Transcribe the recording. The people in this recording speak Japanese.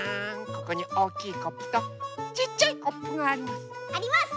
ここにおおきいコップとちっちゃいコップがあります。